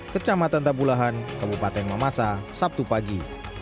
kecamatan tabulahan kabupaten mamasa sabtu pagi